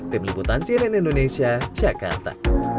tim liputan cnn indonesia jakarta